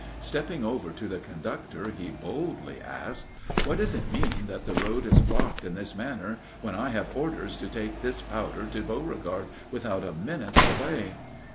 Stepping over to the conductor, he boldly asked: "What does it mean that the road is blocked in this manner when I have orders to take this powder to Beauregard without a minute's delay?"